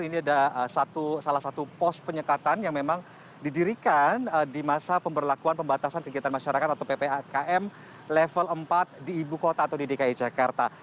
ini adalah salah satu pos penyekatan yang memang didirikan di masa pemberlakuan pembatasan kegiatan masyarakat atau ppkm level empat di ibu kota atau di dki jakarta